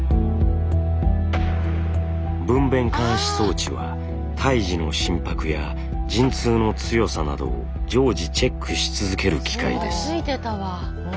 分娩監視装置は胎児の心拍や陣痛の強さなどを常時チェックし続ける機械です。